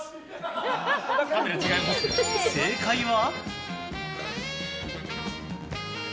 正解は。